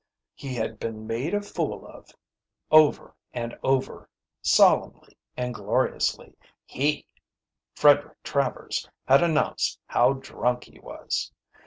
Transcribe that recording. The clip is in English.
He had been made a fool of. Over and over, solemnly and gloriously, he, Frederick Travers, had announced how drunk he was.